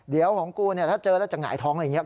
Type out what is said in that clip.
เดี๋ยวของกูเนี่ยถ้าเจอแล้วจะหงายท้องอะไรอย่างนี้